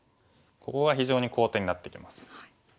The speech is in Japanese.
ここが非常に好点になってきます。